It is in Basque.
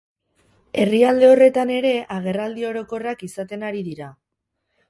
Herrialde horretan ere agerraldi orokorrak izaten ari dira.